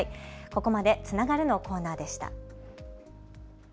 ここまでつながるのコーナーでした。